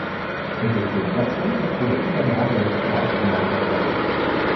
Ezekiel Jackson se trouvait également dans le clan pendant un certain temps.